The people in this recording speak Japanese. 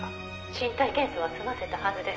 「身体検査は済ませたはずです」